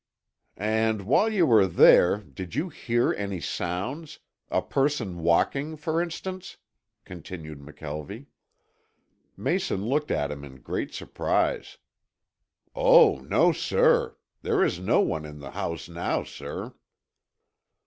"And while you were there did you hear any sounds, a person walking, for instance?" continued McKelvie. Mason looked at him in great surprise. "Oh, no, sir. There is no one in the house now, sir."